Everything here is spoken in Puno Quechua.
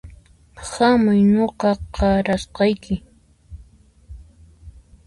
Hamuy nuqa qarasqayki